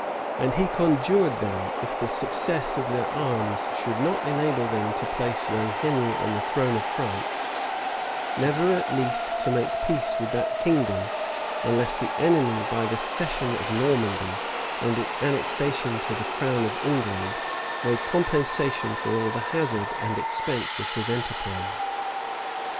And he conjured them, if the success of their arms should not enable them to place young Henry on the throne of France, never at least to make peace with that kingdom, unless the enemy, by the cession of Normandy, and its annexation to the crown of England, made compensation for all the hazard and expense of his enterprise.